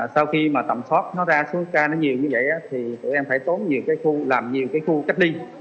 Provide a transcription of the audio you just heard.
sau khi mà tầm soát nó ra số ca nó nhiều như vậy thì tụi em phải tốn nhiều cái khu làm nhiều cái khu cách ly